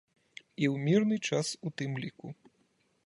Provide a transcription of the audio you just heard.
І ў мірны час у тым ліку.